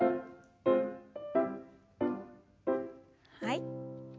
はい。